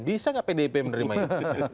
bisa nggak pdip menerima itu